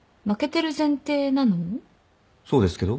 そうですけど？